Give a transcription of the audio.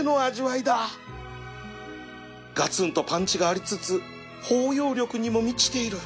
ガツンとパンチがありつつ包容力にも満ちている